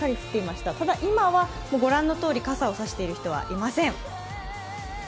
ただ、今は、ご覧のとおり傘を差している人はいません。